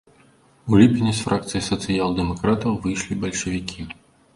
У ліпені з фракцыі сацыял-дэмакратаў выйшлі бальшавікі.